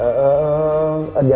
aku mau tidur di tenda